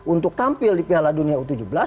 untuk tampil di piala dunia u tujuh belas